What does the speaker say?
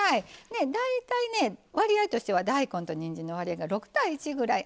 ねっ大体ね割合としては大根とにんじんの割合が６：１ぐらい。